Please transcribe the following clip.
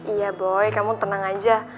iya boy kamu tenang aja